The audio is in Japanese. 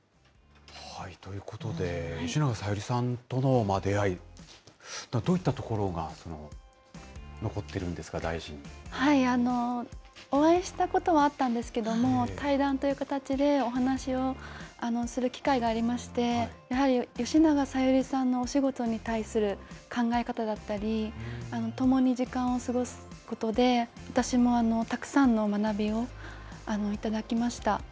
ということで、吉永小百合さんとの出会い、どういったところお会いしたことはあったんですけども、対談という形で、お話をする機会がありまして、やはり吉永小百合さんのお仕事に対する考え方だったり、共に時間を過ごすことで、私もたくさんの学びをいただきました。